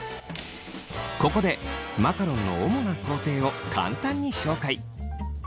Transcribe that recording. ここでマカロンの主な工程を簡単に紹介。